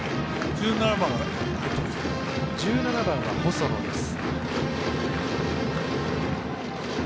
１７番は細野です。